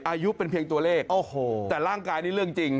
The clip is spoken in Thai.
อายุเป็นเพียงตัวเลขโอ้โหแต่ร่างกายนี่เรื่องจริง